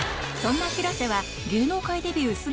そんな広瀬は芸能界デビュー